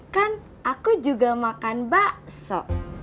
kan aku juga makan baks so